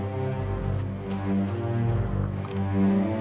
ibu macam apa begini